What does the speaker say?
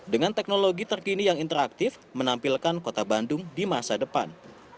dengan teknologi terkini yang interaktif menampilkan kota bandung di masa depan